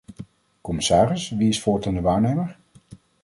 Commissaris, wie is voortaan de waarnemer?